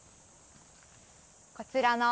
こちらの。